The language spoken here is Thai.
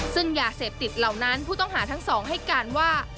ซึ่งยาเสพติดเหล่านั้นผู้ต้องหาทั้งสองให้การว่า